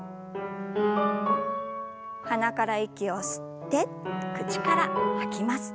鼻から息を吸って口から吐きます。